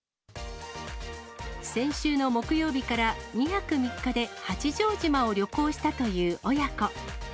先週の木曜日から、２泊３日で八丈島を旅行したという親子。